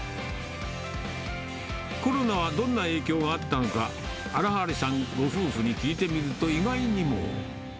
コロナはどんな影響があったのか、荒張さんご夫婦に聞いてみると、意外にも。